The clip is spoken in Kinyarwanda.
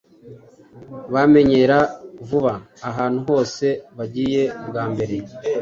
bamenyera vuba ahantu hose bagiye bwa mbere